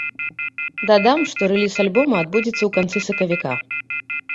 Дадам, што рэліз альбома адбудзецца ў канцы сакавіка.